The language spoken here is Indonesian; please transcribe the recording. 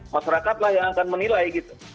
masyarakat lah yang akan menilai gitu